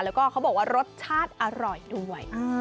แล้วก็เขาบอกว่ารสชาติอร่อยด้วย